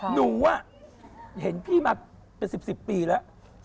หนุ่ว่ะเห็นพี่มาเป็นสิบปีแล้ว